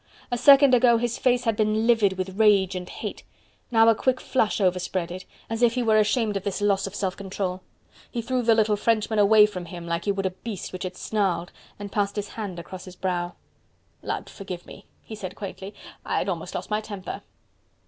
A second ago his face had been livid with rage and hate, now a quick flush overspread it, as if he were ashamed of this loss of self control. He threw the little Frenchman away from him like he would a beast which had snarled, and passed his hand across his brow. "Lud forgive me!" he said quaintly, "I had almost lost my temper."